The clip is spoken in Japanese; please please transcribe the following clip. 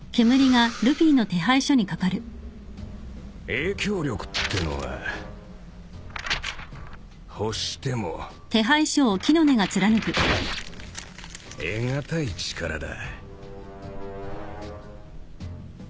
影響力ってのは欲しても得がたい力だ。